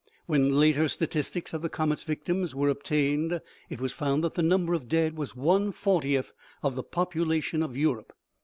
When later statistics of the comet's victims were obtained, it was found that the number of the dead was one fortieth of the population of Europe.